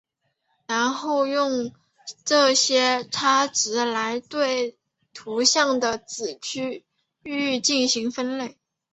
然后用这些差值来对图像的子区域进行分类。